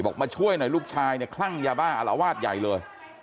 มาช่วยหน่อยลูกชายเนี่ยคลั่งยาบ้าอารวาสใหญ่เลย